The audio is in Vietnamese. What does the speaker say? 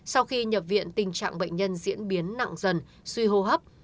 sau khi nhập viện tình trạng bệnh nhân diễn biến nặng dần suy hô hấp